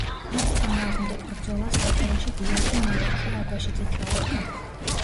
მათ წინააღმდეგ ბრძოლას სათავეში გიორგი-მალაქია აბაშიძე ჩაუდგა.